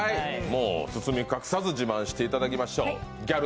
包み隠さず自慢していただきましょう。